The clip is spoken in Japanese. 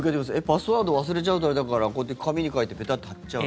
パスワード忘れちゃうとあれだからこうやって紙に書いてペタッて貼っちゃう。